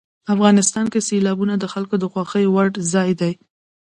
افغانستان کې سیلابونه د خلکو د خوښې وړ ځای دی.